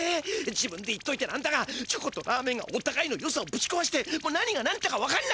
自分で言っといてなんだがチョコとラーメンがおたがいのよさをぶちこわしてもう何がなんだかわかんなく。